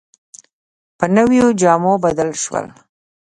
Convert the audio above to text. په نویو جامو بدل شول.